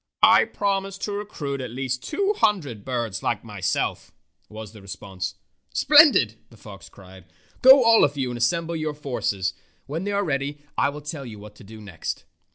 "I promise to recruit at least two hundred birds like myself," was the response. " Splendid !" the fox cried. " Go, all of you, and assemble your forces. When they are ready I will tell you what to do next."